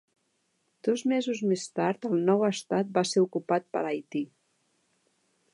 Dos mesos més tard el nou estat va ser ocupat per Haití.